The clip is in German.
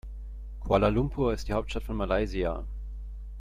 Kuala Lumpur ist die Hauptstadt von Malaysia.